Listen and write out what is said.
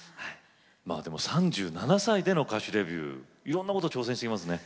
まあでも３７歳での歌手デビューいろんなこと挑戦していきますね。